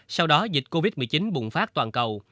sau đó dịch covid một mươi chín bùng phát toàn cầu